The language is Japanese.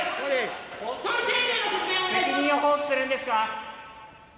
責任を放棄するんですか？